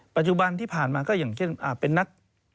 ปัจจุบันที่ผ่านมาก็อย่างเช่นเป็นนัก